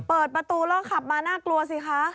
เปิดประตูแล้วขับมาน่ากลัวสิคะ